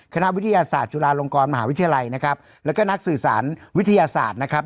คณะวิทยาศาสตร์จุฬาลงกรมหาวิทยาลัยนะครับแล้วก็นักสื่อสารวิทยาศาสตร์นะครับ